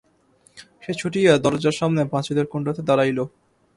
সে ছুটিয়া দরজার সামনে পাচিলের কোণটাতে দাঁড়াইল।